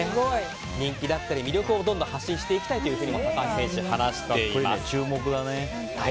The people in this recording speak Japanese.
人気だったり魅力をどんどん発していきたいと話しています。